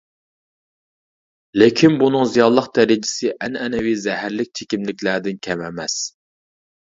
لېكىن بۇنىڭ زىيانلىق دەرىجىسى ئەنئەنىۋى زەھەرلىك چېكىملىكلەردىن كەم ئەمەس.